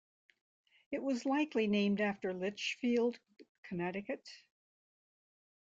It was likely named after Litchfield, Connecticut.